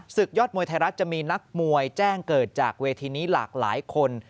ยอดมวยไทยรัฐจะมีนักมวยแจ้งเกิดจากเวทีนี้หลากหลายคน